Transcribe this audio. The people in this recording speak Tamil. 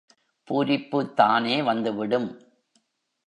பூரிப்புதானே வந்து விடும்.